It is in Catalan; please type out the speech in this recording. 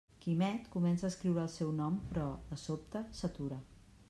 Quimet comença a escriure el seu nom, però, de sobte, s'atura.